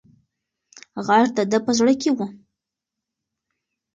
غږ د ده په زړه کې و.